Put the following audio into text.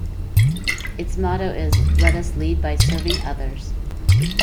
Its motto is Let Us Lead By Serving Others.